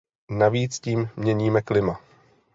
Navíc tím měníme klima.